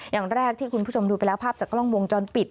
อย่างแรกที่คุณผู้ชมดูไปแล้วภาพจากกล้องวงจรปิด